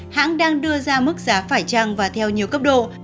hãng đang đưa ra mức giá phải trăng và theo nhiều cấp độ